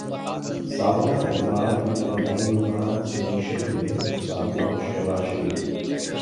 سابقہ ادوار میں توانائی بحران سے معیشت کو بیحد نقصان ہوا شہباز شریف